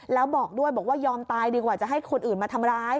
แล้วบอกด้วยบอกว่ายอมตายดีกว่าจะให้คนอื่นมาทำร้าย